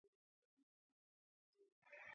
ის ძირითად წარმოდგენილია ორი წრის საშუალებით.